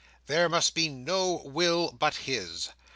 There must be no will but his.